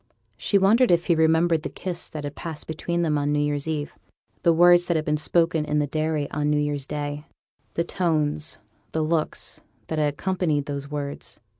She wondered if he remembered the kiss that had passed between them on new year's eve the words that had been spoken in the dairy on new year's day; the tones, the looks, that had accompanied those words.